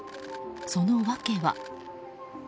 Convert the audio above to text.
その訳は？